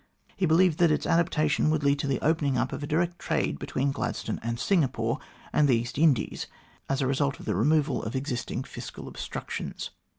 He believed that its adoption would lead to the opening up of a direct trade between Gladstone and Singapore and the East Indies, as^the result of the removal of existing fiscal obstructions.